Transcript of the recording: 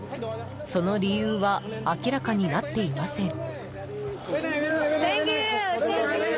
その理由は明らかになっていません。